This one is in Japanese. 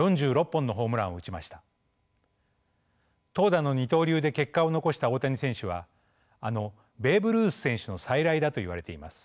投打の二刀流で結果を残した大谷選手はあのベーブ・ルース選手の再来だといわれています。